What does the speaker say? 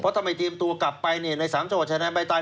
เพราะถ้าไม่ตีมตัวกลับไปใน๓จังหวัดชายแดนภาคใต้